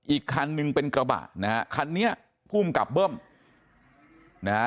อีกคันนึงเป็นกระบะนะฮะคันนี้ภูมิกับเบิ้มนะฮะ